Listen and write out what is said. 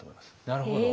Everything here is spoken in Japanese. なるほど。